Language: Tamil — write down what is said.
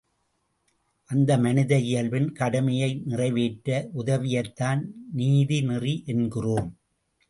அந்த மனித இயல்பின் கடமையை நிறைவேற்ற உதவுவதைத்தான் நீதிநெறி என்கிறோம்.